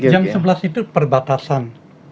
jam sebelas itu perbatasan